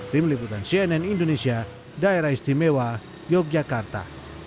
tim liputan cnn indonesia daerah istimewa yogyakarta